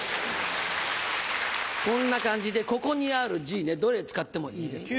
こんな感じでここにある字ねどれ使ってもいいですから。